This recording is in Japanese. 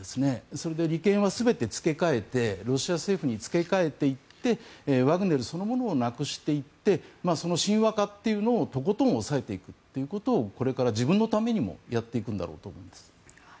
それで利権は全て付け替えてロシア政府に付け替えていってワグネルそのものをなくしていってその神話化というのをとことん抑えていくことをこれから自分のためにもやっていくんだろうと思います。